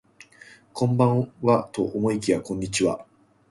こんばんはと思いきやこんにちは